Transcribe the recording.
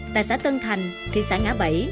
tại xã tân thành thị xã ngã bảy